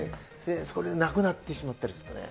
それなくなってしまったりするとね。